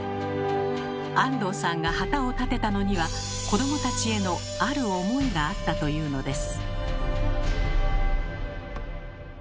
安藤さんが旗を立てたのには子どもたちへのある思いがあったというのです。